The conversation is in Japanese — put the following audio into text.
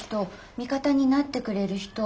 味方になってくれる人。